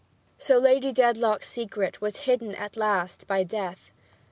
So Lady Dedlock's secret was hidden at last by death.